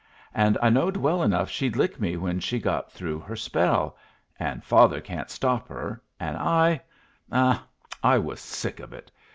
An' I knowed well enough she'd lick me when she got through her spell an' father can't stop her, an' I ah, I was sick of it!